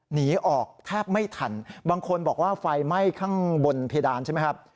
หนีออกแทบไม่ทันบางคนบอกว่าไฟไหม้ข้างบนเพดานใช่ไหมครับ